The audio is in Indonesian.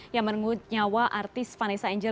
yang menunggu nyawa artis vanessa angel